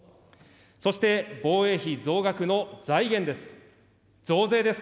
そして、防衛費増額の財源です。